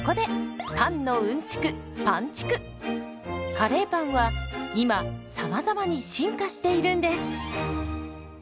カレーパンは今さまざまに進化しているんです。